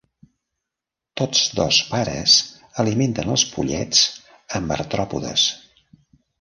Tots dos pares alimenten els pollets amb artròpodes.